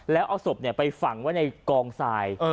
แล้วเอาศพไปฝังไว้ในกองทราย